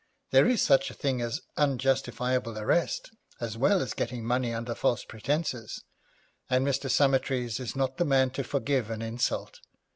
There is such a thing as unjustifiable arrest, as well as getting money under false pretences, and Mr. Summertrees is not the man to forgive an insult.